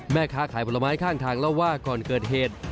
แม่ค้าขายผลไม้ข้างทางเล่าว่าก่อนเกิดเหตุ